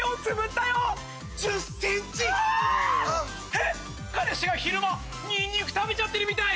えっ彼氏が昼間ニンニク食べちゃってるみたい。